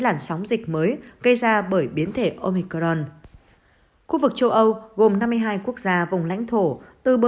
làn sóng dịch mới gây ra bởi biến thể omicron khu vực châu âu gồm năm mươi hai quốc gia vùng lãnh thổ từ